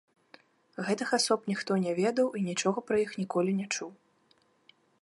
Гэтых асоб ніхто не ведаў і нічога пра іх ніколі не чуў.